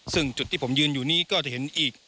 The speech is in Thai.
ซึ่งจุดที่ผมยืนอยู่นี้ก็จะเห็นอีก